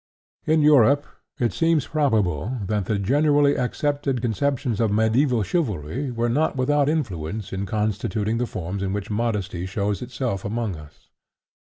In Europe it seems probable that the generally accepted conceptions of mediæval chivalry were not without influence in constituting the forms in which modesty shows itself among us.